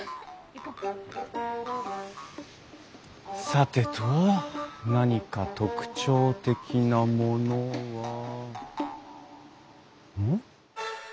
さてと何か特徴的なものはうん？